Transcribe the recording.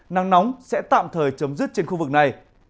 nắng nóng sẽ tạm thời chấm dứt trên khu vực này